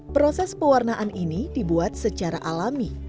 proses pewarnaan ini dibuat secara alami